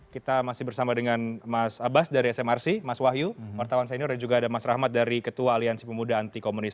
kita masih bersama dengan mas abbas dari smrc mas wahyu wartawan senior dan juga ada mas rahmat dari ketua aliansi pemuda anti komunis